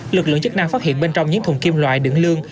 lực lượng chức năng phát hiện bên trong những thùng kim loại đựng lương